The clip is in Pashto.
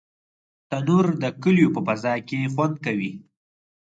تنور د کلیو په فضا کې خوند کوي